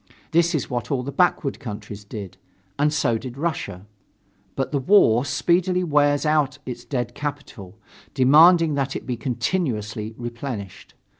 That is what all the backward countries did, and so did Russia. But the war speedily wears out its dead capital, demanding that it be continuously replenished.